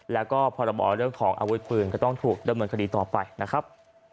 แล้วก็พรบเรื่องของอาวุธปืนก็ต้องถูกดำเนินคดีต่อไปนะครับ